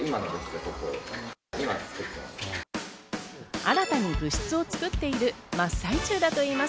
新たに部室を作っている真っ最中だといいます。